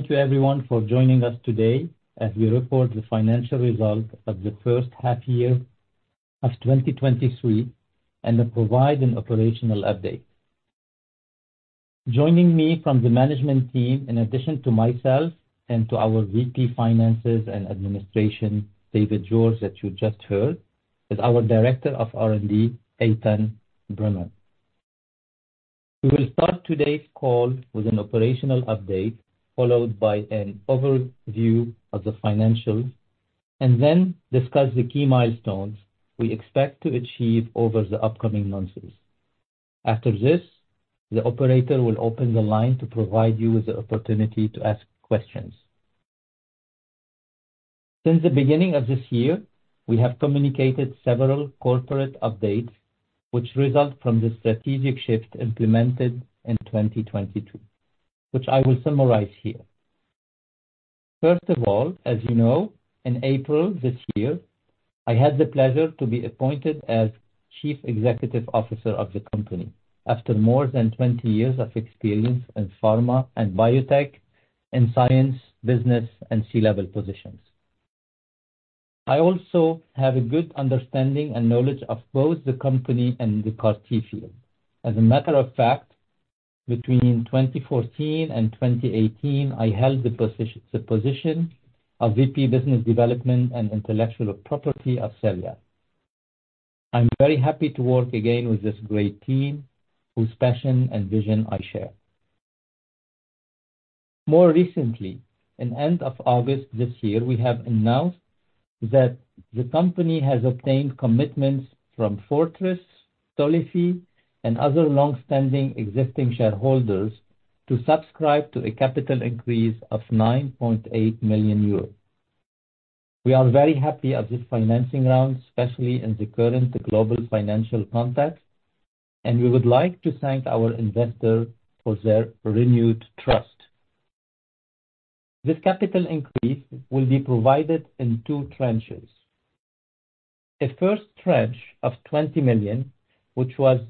Thank you everyone for joining us today as we report the financial results of the first half year of 2023, and then provide an operational update. Joining me from the management team, in addition to myself and to our VP of Finance and Administration, David Georges, that you just heard, is our Director of R&D, Eytan Breman. We will start today's call with an operational update, followed by an overview of the financials, and then discuss the key milestones we expect to achieve over the upcoming months. After this, the operator will open the line to provide you with the opportunity to ask questions. Since the beginning of this year, we have communicated several corporate updates, which result from the strategic shift implemented in 2022, which I will summarize here. First of all, as you know, in April this year, I had the pleasure to be appointed as Chief Executive Officer of the company after more than 20 years of experience in pharma and biotech, in science, business, and C-level positions. I also have a good understanding and knowledge of both the company and the CAR T field. As a matter of fact, between 2014 and 2018, I held the position of VP Business Development and Intellectual Property of Celyad. I'm very happy to work again with this great team, whose passion and vision I share. More recently, in end of August this year, we have announced that the company has obtained commitments from Fortress, Tolefi, and other long-standing existing shareholders to subscribe to a capital increase of 9.8 million euros. We are very happy at this financing round, especially in the current global financial context, and we would like to thank our investors for their renewed trust. This capital increase will be provided in two tranches. A first tranche of 20 million, which was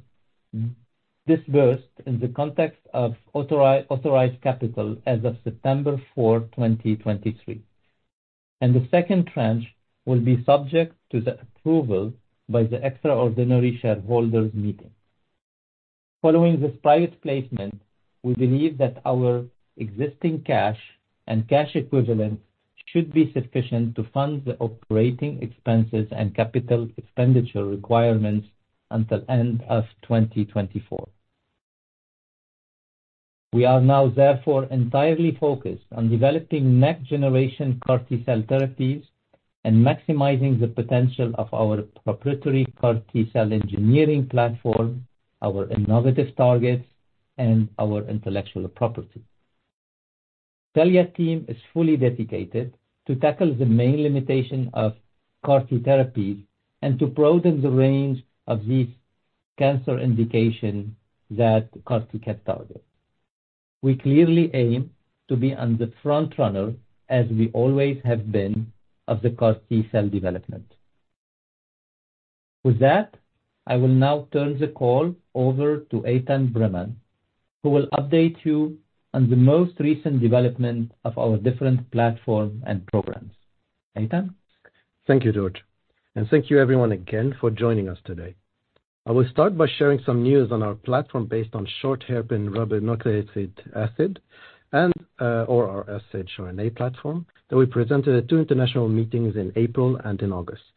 disbursed in the context of authorized capital as of September 4, 2023. The second tranche will be subject to the approval by the extraordinary shareholders meeting. Following this private placement, we believe that our existing cash and cash equivalents should be sufficient to fund the operating expenses and capital expenditure requirements until end of 2024. We are now therefore entirely focused on developing next generation CAR T cell therapies and maximizing the potential of our proprietary CAR T cell engineering platform, our innovative targets, and our intellectual property. Celyad team is fully dedicated to tackle the main limitation of CAR T therapies and to broaden the range of these cancer indications that CAR T can target. We clearly aim to be on the front runner, as we always have been, of the CAR T cell development. With that, I will now turn the call over to Eytan Breman, who will update you on the most recent development of our different platform and programs. Eytan? Thank you, Georges, and thank you everyone again for joining us today. I will start by sharing some news on our platform based on short hairpin ribonucleic acid and, or our shRNA platform, that we presented at two international meetings in April and in August.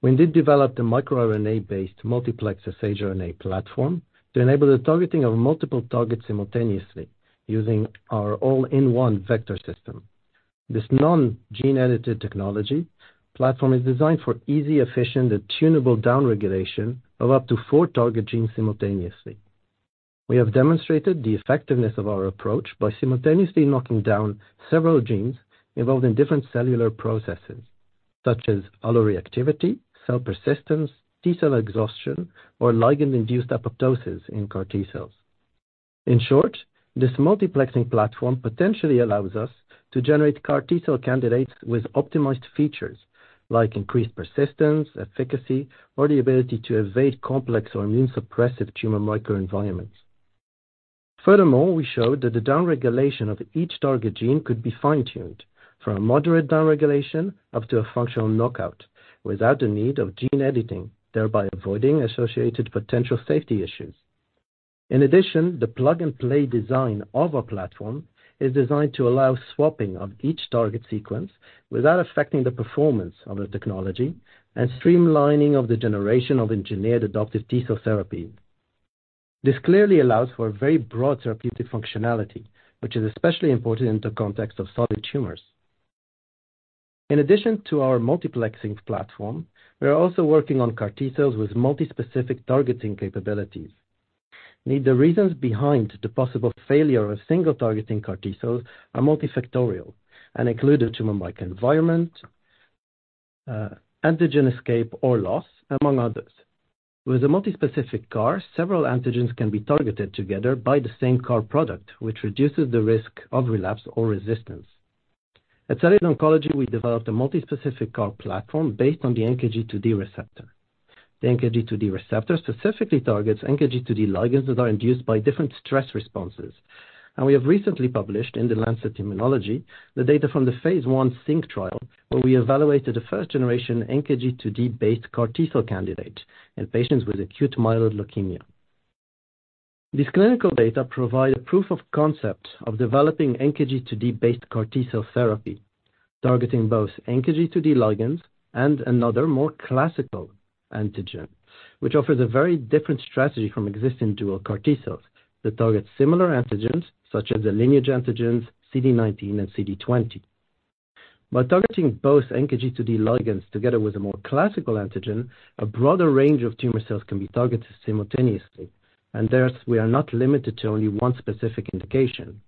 We indeed developed a microRNA-based multiplex shRNA platform to enable the targeting of multiple targets simultaneously using our all-in-one vector system. This non-gene edited technology platform is designed for easy, efficient, and tunable downregulation of up to four target genes simultaneously. We have demonstrated the effectiveness of our approach by simultaneously knocking down several genes involved in different cellular processes, such as alloreactivity, cell persistence, T-cell exhaustion, or ligand-induced apoptosis in CAR T-cells. In short, this multiplexing platform potentially allows us to generate CAR T cell candidates with optimized features like increased persistence, efficacy, or the ability to evade complex or immune suppressive tumor microenvironments. Furthermore, we showed that the downregulation of each target gene could be fine-tuned, from a moderate downregulation up to a functional knockout, without the need of gene editing, thereby avoiding associated potential safety issues. In addition, the plug-and-play design of our platform is designed to allow swapping of each target sequence without affecting the performance of the technology and streamlining of the generation of engineered adoptive T cell therapy. This clearly allows for a very broad therapeutic functionality, which is especially important in the context of solid tumors. In addition to our multiplexing platform, we are also working on CAR T cells with multi-specific targeting capabilities. The reasons behind the possible failure of single targeting CAR T cells are multifactorial and include the tumor microenvironment, antigen escape or loss, among others. With a multi-specific CAR, several antigens can be targeted together by the same CAR product, which reduces the risk of relapse or resistance. At Celyad Oncology, we developed a multispecific CAR platform based on the NKG2D receptor. The NKG2D receptor specifically targets NKG2D ligands that are induced by different stress responses. We have recently published in The Lancet Immunology the data from the phase 1 THINK trial, where we evaluated the first generation NKG2D-based CAR T-cell candidate in patients with acute myeloid leukemia. This clinical data provide proof of concept of developing NKG2D-based CAR T-cell therapy, targeting both NKG2D ligands and another more classical antigen, which offers a very different strategy from existing dual CAR T-cells that target similar antigens such as the lineage antigens, CD19 and CD20. By targeting both NKG2D ligands together with a more classical antigen, a broader range of tumor cells can be targeted simultaneously, and thus we are not limited to only one specific indication.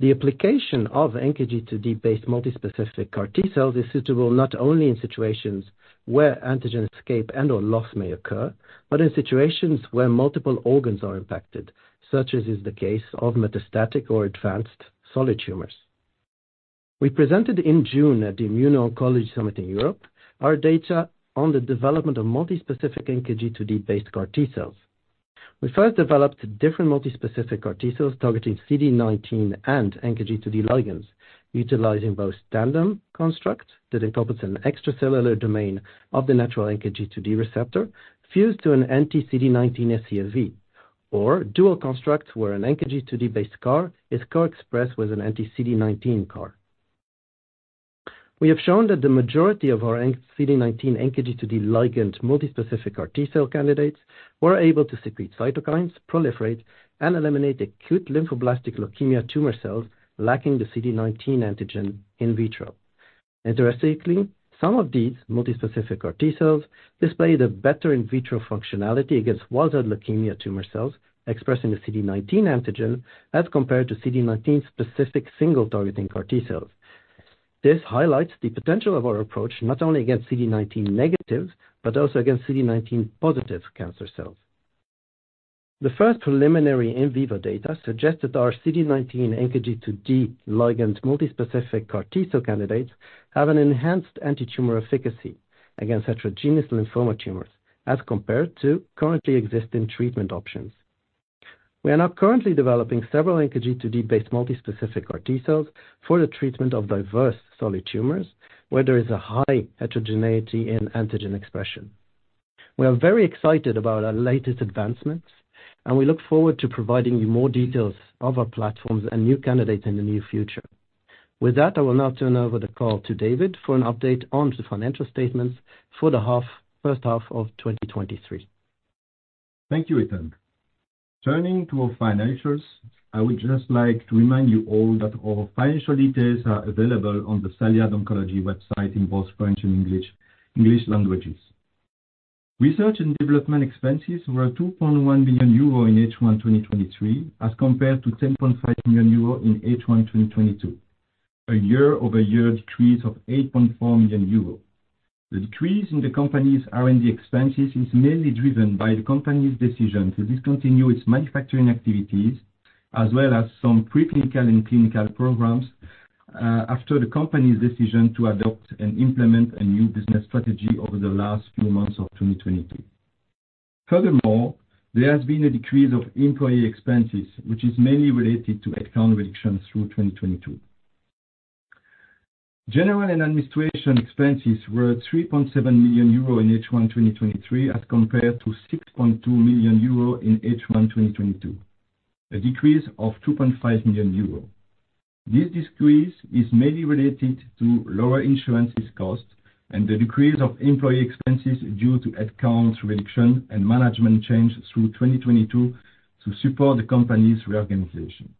The application of NKG2D-based multispecific CAR T-cells is suitable not only in situations where antigen escape and/or loss may occur, but in situations where multiple organs are impacted, such as is the case of metastatic or advanced solid tumors. We presented in June at the Immuno-Oncology Summit Europe, our data on the development of multispecific NKG2D-based CAR T-cells. We first developed different multispecific CAR T-cells targeting CD19 and NKG2D ligands, utilizing both tandem constructs that encompass an extracellular domain of the natural NKG2D receptor, fused to an anti-CD19 scFv, or dual constructs, where an NKG2D-based CAR is co-expressed with an anti-CD19 CAR. We have shown that the majority of our CD19, NKG2D ligand multispecific CAR T-cell candidates were able to secrete cytokines, proliferate, and eliminate acute lymphoblastic leukemia tumor cells lacking the CD19 antigen in vitro. Interestingly, some of these multispecific CAR T-cells displayed a better in vitro functionality against wild-type leukemia tumor cells expressing the CD19 antigen as compared to CD19-specific single targeting CAR T-cells. This highlights the potential of our approach, not only against CD19 negatives, but also against CD19 positive cancer cells. The first preliminary in vivo data suggest that our CD19, NKG2D ligand multispecific CAR T-cell candidates have an enhanced antitumor efficacy against heterogeneous lymphoma tumors as compared to currently existing treatment options. We are now currently developing several NKG2D-based multispecific CAR T-cells for the treatment of diverse solid tumors, where there is a high heterogeneity in antigen expression. We are very excited about our latest advancements, and we look forward to providing you more details of our platforms and new candidates in the near future. With that, I will now turn over the call to David for an update on the financial statements for the half, first half of 2023. Thank you, Eytan. Turning to our financials, I would just like to remind you all that our financial details are available on the Celyad Oncology website in both French and English languages. Research and development expenses were 2.1 billion euro in H1 2023, as compared to 10.5 million euro in H1 2022, a year-over-year decrease of 8.4 million euro. The decrease in the company's R&D expenses is mainly driven by the company's decision to discontinue its manufacturing activities, as well as some preclinical and clinical programs, after the company's decision to adopt and implement a new business strategy over the last few months of 2022. Furthermore, there has been a decrease of employee expenses, which is mainly related to headcount reduction through 2022. General and administration expenses were 3.7 million euro in H1 2023, as compared to 6.2 million euro in H1 2022, a decrease of 2.5 million euro. This decrease is mainly related to lower insurance costs and the decrease of employee expenses due to headcount reduction and management change through 2022 to support the company's reorganization.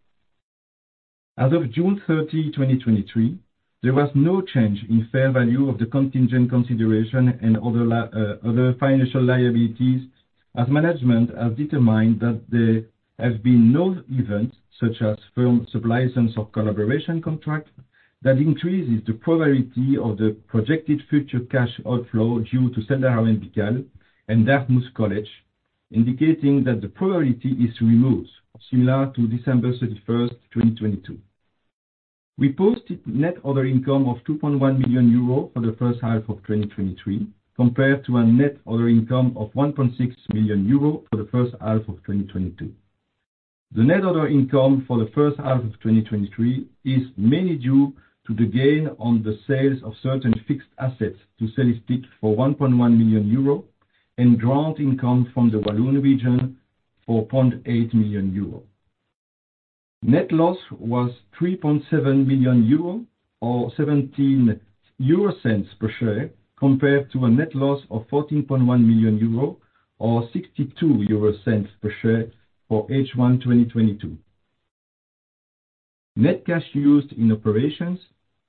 As of June 30, 2023, there was no change in fair value of the contingent consideration and other financial liabilities, as management have determined that there has been no event, such as firm supplies and some collaboration contract, that increases the probability of the projected future cash outflow due to Celdara Medical and Dartmouth College, indicating that the probability is removed, similar to December 31st, 2022. We posted net other income of 2.1 million euro for the first half of 2023, compared to a net other income of 1.6 million euro for the first half of 2022. The net other income for the first half of 2023 is mainly due to the gain on the sales of certain fixed assets to Cellistic for 1.1 million euro and grant income from the Walloon Region for 0.8 million euro. Net loss was 3.7 million euro or 0.17 per share, compared to a net loss of 14.1 million euro or 0.62 per share for H1, 2022. Net cash used in operations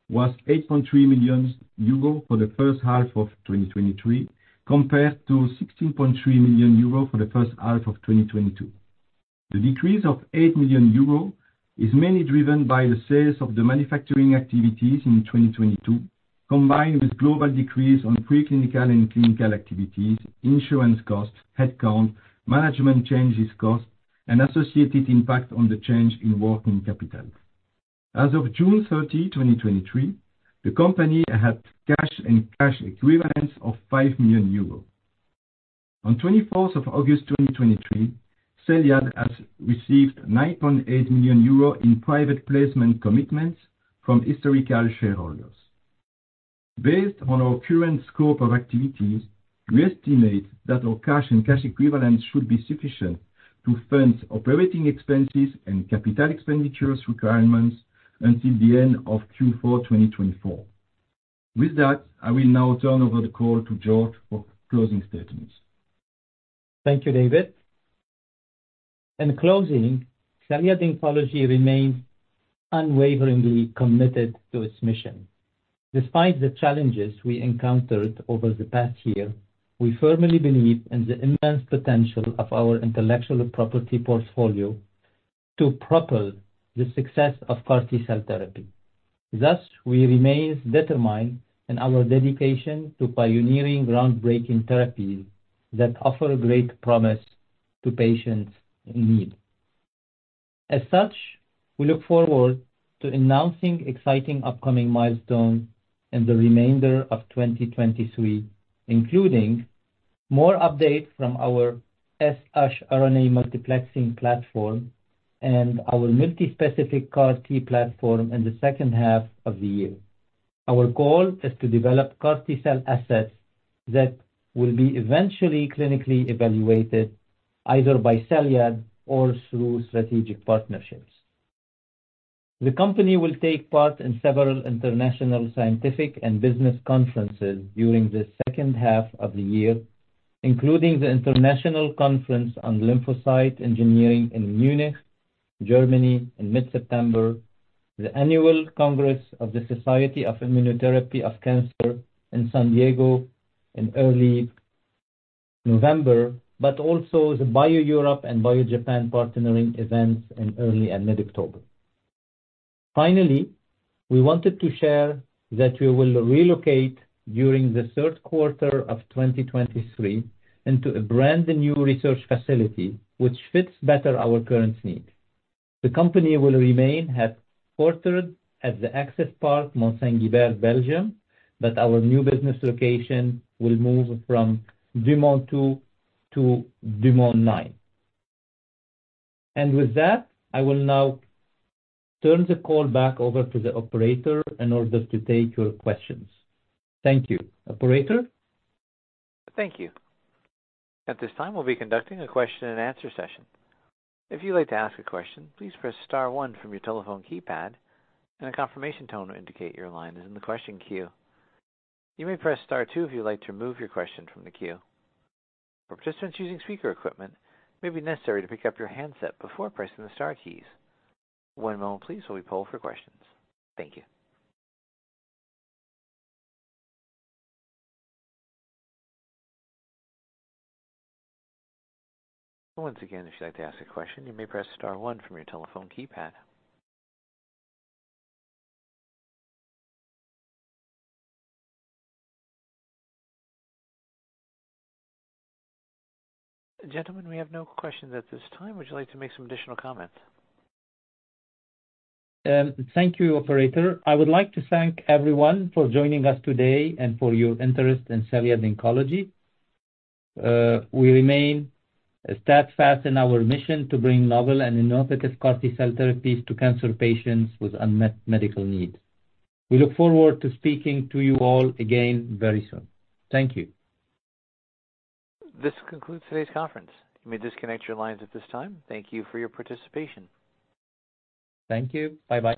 was 8.3 million euro for the first half of 2023, compared to 16.3 million euro for the first half of 2022. The decrease of 8 million euro is mainly driven by the sales of the manufacturing activities in 2022, combined with global decrease on preclinical and clinical activities, insurance costs, headcount, management changes costs and associated impact on the change in working capital. As of June 30, 2023, the company had cash and cash equivalents of 5 million euros. On the 24th of August 2023, Celyad has received 9.8 million euro in private placement commitments from historical shareholders. Based on our current scope of activities, we estimate that our cash and cash equivalents should be sufficient to fund operating expenses and capital expenditures requirements until the end of Q4 2024. With that, I will now turn over the call to Georges for closing statements. Thank you, David. In closing, Celyad Oncology remains unwaveringly committed to its mission. Despite the challenges we encountered over the past year, we firmly believe in the immense potential of our intellectual property portfolio to propel the success of CAR T cell therapy. Thus, we remain determined in our dedication to pioneering groundbreaking therapies that offer great promise to patients in need. As such, we look forward to announcing exciting upcoming milestones in the remainder of 2023, including more updates from our shRNA multiplexing platform and our multispecific CAR T platform in the second half of the year. Our goal is to develop CAR T cell assets that will be eventually clinically evaluated either by Celyad or through strategic partnerships. The company will take part in several international scientific and business conferences during the second half of the year, including the International Conference on Lymphocyte Engineering in Munich, Germany, in mid-September, the Annual Congress of the Society for Immunotherapy of Cancer in San Diego in early November, but also the BioEurope and BioJapan partnering events in early and mid-October. Finally, we wanted to share that we will relocate during the third quarter of 2023 into a brand-new research facility, which fits better our current needs. The company will remain headquartered at the Axis Parc, Mont-Saint-Guibert, Belgium, but our new business location will move from Dumont 2 to Dumont 9. And with that, I will now turn the call back over to the operator in order to take your questions. Thank you. Operator? Thank you. At this time, we'll be conducting a question and answer session. If you'd like to ask a question, please press star one from your telephone keypad, and a confirmation tone will indicate your line is in the question queue. You may press star two if you'd like to remove your question from the queue. For participants using speaker equipment, it may be necessary to pick up your handset before pressing the star keys. One moment please, while we poll for questions. Thank you. Once again, if you'd like to ask a question, you may press star one from your telephone keypad. Gentlemen, we have no questions at this time. Would you like to make some additional comments? Thank you, operator. I would like to thank everyone for joining us today and for your interest in Celyad Oncology. We remain steadfast in our mission to bring novel and innovative CAR T cell therapies to cancer patients with unmet medical needs. We look forward to speaking to you all again very soon. Thank you. This concludes today's conference. You may disconnect your lines at this time. Thank you for your participation. Thank you. Bye-bye.